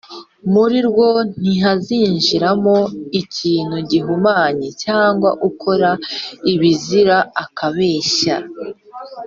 Muri rwo ntihazinjiramo ikintu gihumanya cyangwa ukora ibizira akabeshya,